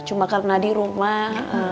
cuma karena di rumah